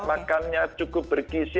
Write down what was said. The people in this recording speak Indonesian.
makannya cukup berkisi